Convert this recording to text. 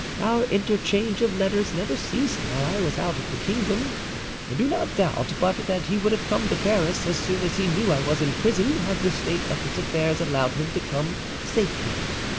Our interchange of letters never ceased while I was out of the kingdom; do not doubt but that he would have come to Paris as soon as he knew I was in prison, had the state of his affairs allowed him to come safely.